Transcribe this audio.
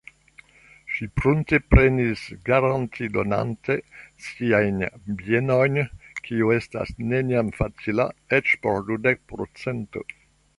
Ŝi prunteprenis garantidonante siajn bienojn, kio estas neniam facila eĉ por dudek pro cento.